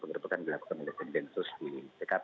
ponggol dan pengerepekanan ini dilakukan oleh tim densus di tkp